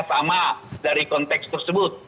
sama dari konteks tersebut